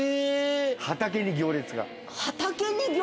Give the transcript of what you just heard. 畑に行列？